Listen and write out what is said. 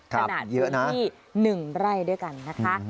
ขนาดพื้นที่๑ไร่ด้วยกันนะคะ